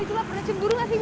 itu lah pernah cemburu gak sih